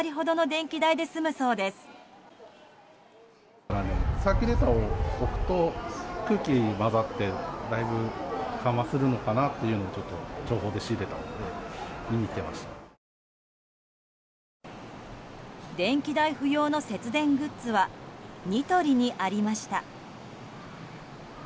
電気代不要の節電グッズはニトリにありました。